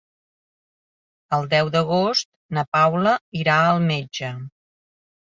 El deu d'agost na Paula irà al metge.